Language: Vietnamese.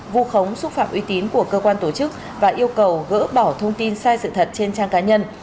vu khống xúc phạm uy tín của cơ quan tổ chức và yêu cầu gỡ bỏ thông tin sai sự thật trên trang cá nhân